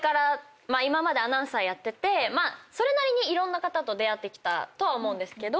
今までアナウンサーやっててそれなりにいろんな方と出会ってきたとは思うんですけど。